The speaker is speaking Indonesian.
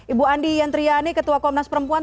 ibu andi yantriani ketua komnas perempuan